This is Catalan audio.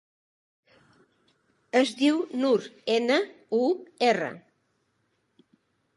Es diu Nur: ena, u, erra.